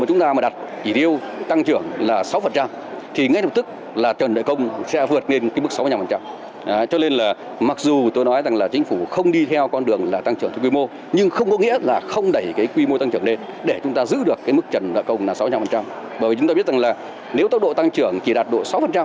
chúng ta giữ được mức trần nợ công là sáu trăm linh bởi vì chúng ta biết rằng nếu tốc độ tăng trưởng chỉ đạt độ sáu